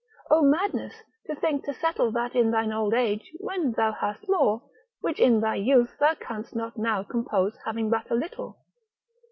O madness, to think to settle that in thine old age when thou hast more, which in thy youth thou canst not now compose having but a little.